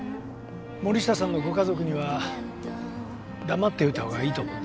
森下さんのご家族には黙っておいた方がいいと思うんだ。